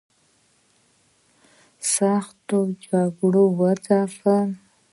سختو جګړو کې وځپل.